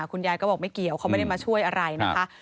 คุณยายก็บอกไม่เกี่ยวเขาไม่ได้มาช่วยอะไรนะคะ